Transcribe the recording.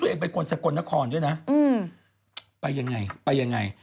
แต่คนสกลนครดด้วยนะไปยังไงไปยังไง